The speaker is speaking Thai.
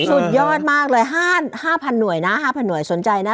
สุดยอดมากเลย๕๐๐หน่วยนะ๕๐๐หน่วยสนใจนะ